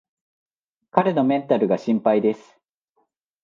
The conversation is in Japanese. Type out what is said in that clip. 彼のメンタルが心配です